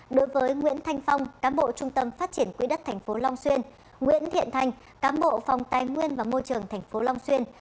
đối với nguyễn thanh phong cám bộ trung tâm phát triển quỹ đất tp long xuyên nguyễn thiện thanh cám bộ phòng tài nguyên và môi trường tp long xuyên